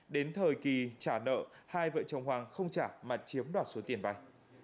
đến thời kỳ trả nợ hai vợ chồng hoàng không trả mà chiếm đoạt số tiền vay